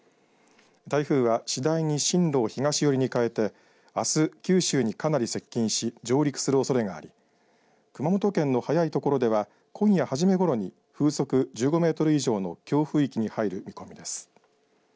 台風は次第に進路を東寄りに変えてあす九州にかなり接近し上陸するおそれがあり熊本県の早い所では今夜初めごろに風速１５メートル以上の強風域に入る見込みです。